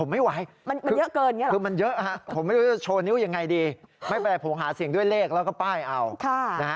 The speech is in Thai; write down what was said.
ไม่เป็นไรผมหาเสียงด้วยเลขแล้วก็ป้ายเอา